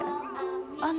あの。